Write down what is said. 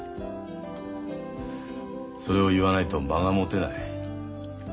それを言わないと間がもてない。